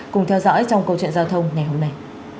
cùng theo dõi trong câu chuyện giao thông ngày hôm nay